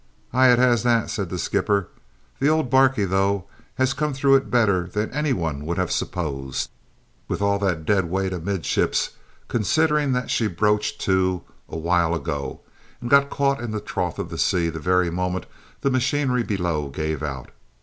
"Aye, it has that," said the skipper. "The old barquey, though, has come through it better than any one would have supposed, with all that deadweight amidships, considering that she broached to awhile ago and got caught in the trough of the sea the very moment the machinery below gave out.